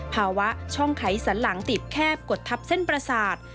ภาวะช่องไขสันหลังติดแคบกดทับเส้นประสาท